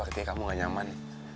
berarti kamu gak nyaman